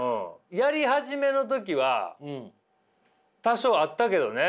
やり始めの時は多少あったけどね。